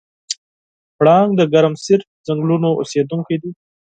پړانګ د ګرمسیر ځنګلونو اوسېدونکی دی.